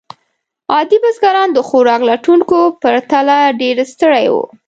عادي بزګران د خوراک لټونکو پرتله ډېر ستړي وو.